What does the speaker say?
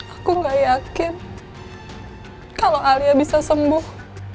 aku gak yakin kalau alia bisa sembuh